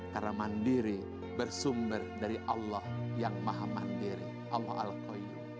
karena mandiri bersumber dari allah yang maha mandiri allah al qayyu